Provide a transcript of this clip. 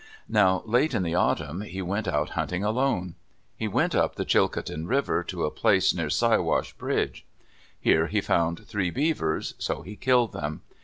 Now late in the autumn he went out hunting alone. He went up the Chilcotin River, to a place near Siwash Bridge. Here he found three beavers, so he killed them.